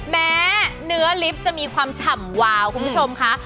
แม้เนื้อลิฟต์จะมีความฉ่ำวาวคุณผู้ชมค่ะ